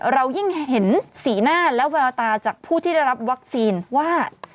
เรายิ่งเห็นสีหน้าและแววตาจากผู้ที่ได้รับวัคซีนว่า